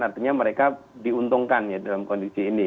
artinya mereka diuntungkan ya dalam kondisi ini